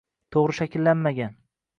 To‘g‘ri shakllanmagan